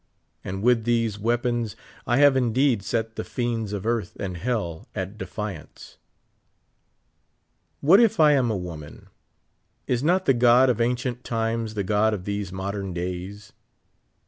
And with these wea pons I have indeed set the fiends of earth and hell at defiance. What if I am a woman ; is not the God of ancient times the God of these modern days